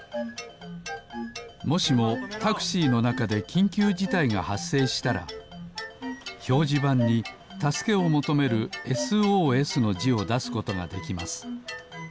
もしもタクシーのなかできんきゅうじたいがはっせいしたらひょうじばんにたすけをもとめるＳＯＳのじをだすことができます。